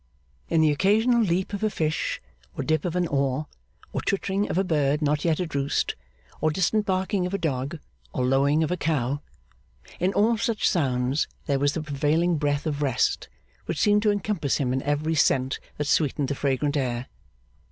In the occasional leap of a fish, or dip of an oar, or twittering of a bird not yet at roost, or distant barking of a dog, or lowing of a cow in all such sounds, there was the prevailing breath of rest, which seemed to encompass him in every scent that sweetened the fragrant air.